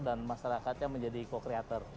dan masyarakatnya menjadi co creator